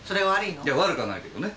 いや悪くないけどね。